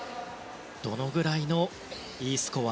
どのくらいのＥスコア